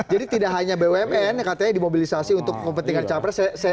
jadi tidak hanya bumn katanya dimobilisasi untuk mempentingkan capres